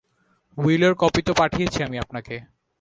উইলের copy তো পাঠিয়েছি আমি আপনাকে।